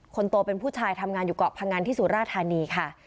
คนโตเป็นผู้ชายทำงานอยู่เกาะพังอันที่สุราธานีค่ะ